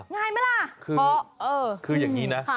ง่ายไหมล่ะเพราะคืออย่างนี้นะ